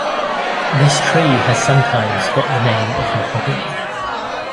This tree has sometimes got the name of mahogany.